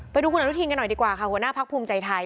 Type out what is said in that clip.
ไปดูคุณอุณหภิสิทธิ์กันหน่อยดีกว่าค่ะหัวหน้าพรรคภูมิใจไทย